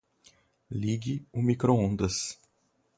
Ligue o microondas